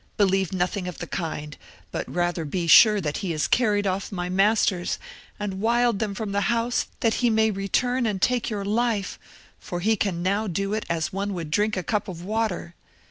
Believe nothing of the kind, but rather be sure that he has carried off my masters, and wiled them from the house, that he may return and take your life, for he can now do it as one would drink a cup of water.